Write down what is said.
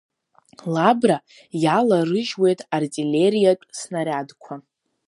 Лабра иаларыжьуеит артиллериатә снариадқәа.